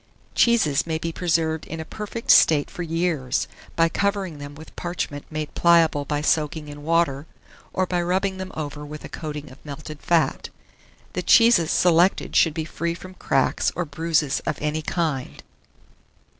Cheeses may be preserved in a perfect state for years, by covering them with parchment made pliable by soaking in water, or by rubbing them over with a coating of melted fat. The cheeses selected should be free from cracks or bruises of any kind.